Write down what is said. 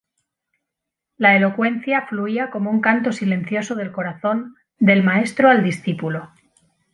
La elocuencia fluía como un canto silencioso del corazón del maestro al discípulo.